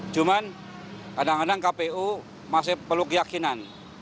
cuman kadang kadang kpu masih peluk yakinan